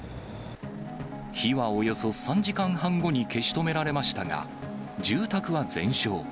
火はおよそ３時間半後に消し止められましたが、住宅は全焼。